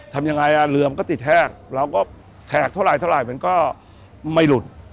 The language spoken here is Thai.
ทำยังไงเหลือมันก็ติดแท่งเราก็แท่งเท่าไหร่มันก็ไม่หลุด